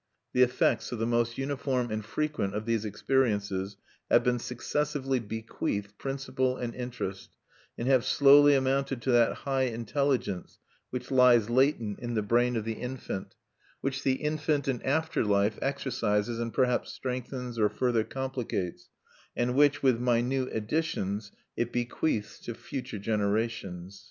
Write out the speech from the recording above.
The effects of the most uniform and frequent of these experiences have been successively bequeathed, principal and interest; and have slowly amounted to that high intelligence which lies latent in the brain of the infant which the infant in after life exercises and perhaps strengthens or further complicates and which, with minute additions, it bequeaths to future generations(1)."